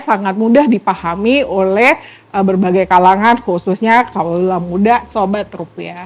sangat mudah dipahami oleh berbagai kalangan khususnya kaum muda sobat rupiah